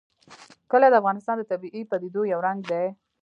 کلي د افغانستان د طبیعي پدیدو یو رنګ دی.